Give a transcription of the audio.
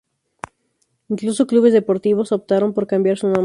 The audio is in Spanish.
Incluso clubes deportivos optaron por cambiar su nombre.